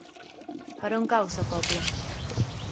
Per on cau Sa Pobla?